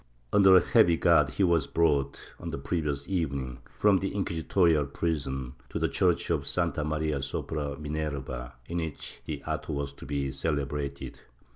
Under a heavy guard he was brought, on the previous evening, from the inquisitorial prison to the church of Santa Maria sopra Minerva, in which the atto was to be celebrated.